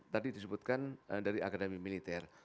tadi disebutkan dari akademi militer